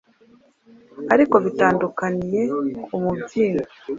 ariko bitandukaniye ku mubyimba,